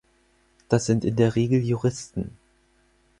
Das sind in der Regel Juristen.